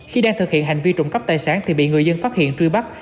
khi đang thực hiện hành vi trộm cắp tài sản thì bị người dân phát hiện truy bắt